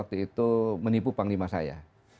kan lupa ya